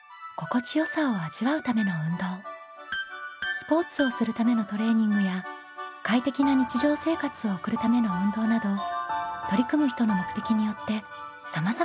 スポーツをするためのトレーニングや快適な日常生活を送るための運動など取り組む人の目的によってさまざまな運動があります。